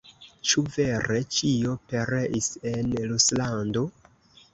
Ĉu vere, ĉio pereis en Ruslando?